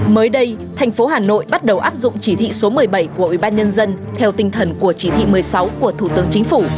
mới đây thành phố hà nội bắt đầu áp dụng chỉ thị số một mươi bảy của ubnd theo tinh thần của chỉ thị một mươi sáu của thủ tướng chính phủ